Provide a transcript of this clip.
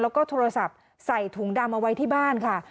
แล้วก็โทรศัพท์ใส่ถุงดำเอาไว้ที่บ้านค่ะ